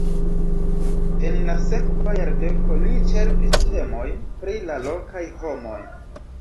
En la sekva jardeko li ĉerpis temojn pri la lokaj homoj.